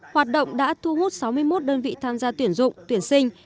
hoạt động đã thu hút sáu mươi một đơn vị tham gia tuyển dụng tuyển sinh